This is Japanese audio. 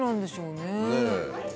ねえ。